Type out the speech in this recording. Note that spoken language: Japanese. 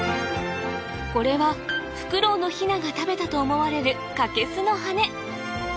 これはフクロウのヒナが食べたと思われるカケスの羽根